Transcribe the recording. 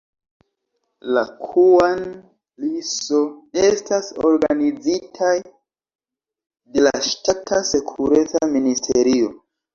La Kŭan-li-so, estas organizitaj de la ŝtata sekureca ministerio.